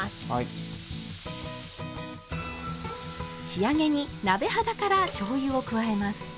仕上げに鍋肌からしょうゆを加えます。